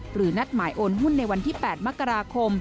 นัดหมายโอนหุ้นในวันที่๘มกราคม